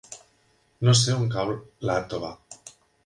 No sé on cau Iàtova.